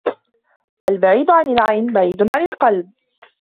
البعيد عن العين بعيد عن القلب.